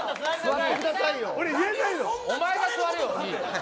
お前が座れよ！